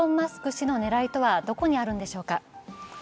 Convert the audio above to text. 氏の狙いとはどこにあるんでしょうか。